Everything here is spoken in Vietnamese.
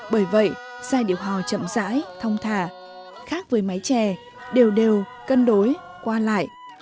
bởi vậy giai điệu hò chậm rãi thông thà khác với mái chè đều đều cân đối qua lại